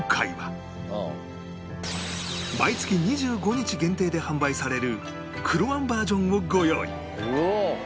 毎月２５日限定で販売される黒あんバージョンをご用意